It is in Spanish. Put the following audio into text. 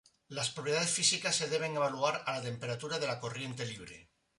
Las propiedades físicas se deben evaluar a la temperatura de la corriente libre.